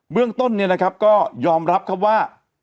เรื่องต้นเนี่ยนะครับก็ยอมรับครับว่า